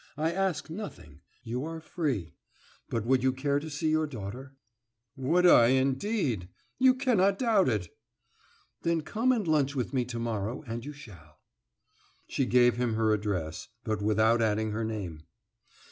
I ask nothing; you are free. But would you care to see your daughter?" "Would I, indeed! You cannot doubt it!" "Then come and lunch with me tomorrow and you shall." She gave him her address, but without adding her name.